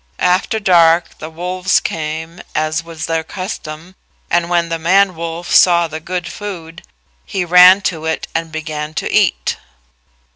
After dark the wolves came, as was their custom, and when the man wolf saw the good food, he ran to it and began to eat.